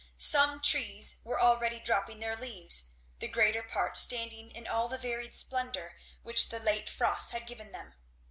Some trees were already dropping their leaves; the greater part standing in all the varied splendour which the late frosts had given them.